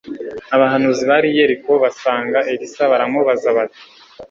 abahanuzi bari i yeriko basanga elisa baramubaza bati